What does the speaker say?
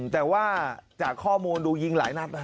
แต่ว่าจากข้อมูลดูยิงหลายนัด